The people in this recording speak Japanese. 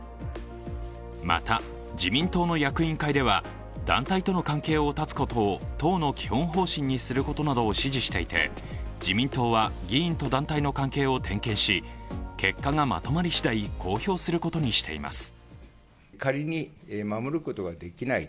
また、自民党の役員会では団体との関係を断つことを党の基本方針にすることなどを指示していて自民党は議員と団体の関係を点検し、結果がまとまりしだい公表することにしています。